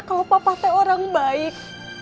kalau papa orang baik